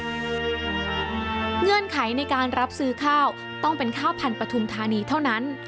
เงื่อนไขในการรับซื้อข้าวต้องเป็นข้าวพันธุมธานีเท่านั้น